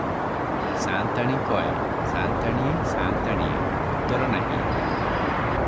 ସାଆନ୍ତାଣିକଏଁ - ସାଆନ୍ତାଣିଏଁ - ସାଆନ୍ତାଣିଏଁ - ଉତ୍ତର ନାହିଁ ।